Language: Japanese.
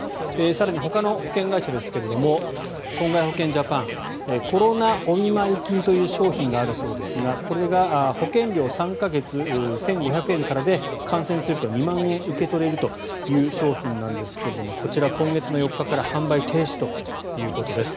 更に、ほかの保険会社ですが損害保険ジャパンコロナお見舞い金という商品があるそうですがこれが保険料３か月１５００円からで感染すると２万円受け取れるという商品なんですがこちら、今月の４日から販売停止ということです。